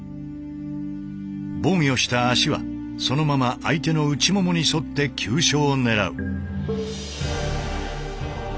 防御した足はそのまま相手の内ももに沿って急所を狙う。